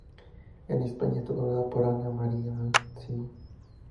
En España está doblada por Ana María Simón.